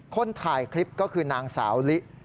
คนถ่ายคลิปก็คือนางสาวลิ